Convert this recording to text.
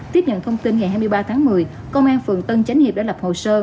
tiếp nhận thông tin ngày hai mươi ba tháng một mươi công an phường tân chánh hiệp đã lập hồ sơ